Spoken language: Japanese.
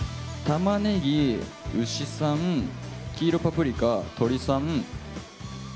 タマネギ、牛さん黄色パプリカ、鶏さん。